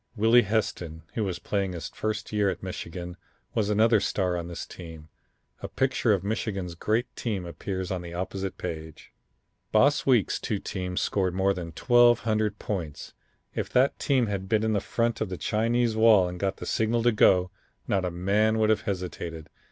Willie Heston, who was playing his first year at Michigan, was another star on this team. A picture of Michigan's great team appears on the opposite page. "Boss Weeks' two teams scored more than 1200 points. If that team had been in front of the Chinese Wall and got the signal to go, not a man would have hesitated.